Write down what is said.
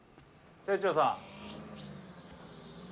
清張さん。